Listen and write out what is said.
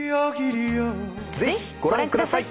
ぜひご覧ください。